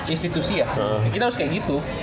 institusi ya kita harus kayak gitu